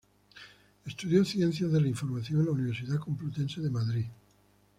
Estudió Ciencias de la información en la Universidad Complutense de Madrid.